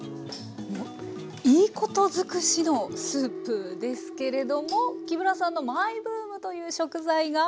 もういいこと尽くしのスープですけれども木村さんのマイブームという食材が？